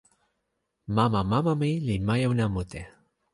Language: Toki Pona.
mama mama mi li majuna mute.